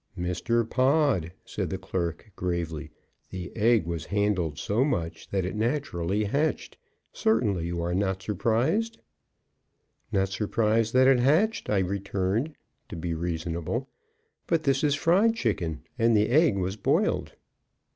"Mr. Pod," said the clerk, gravely, "the egg was handled so much that it naturally hatched. Certainly you are not surprised?" "Not surprised that it hatched," I returned, to be reasonable, "but this is fried chicken, and the egg was boiled."